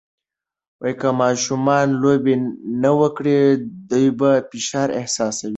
که ماشومان لوبې نه وکړي، دوی فشار احساسوي.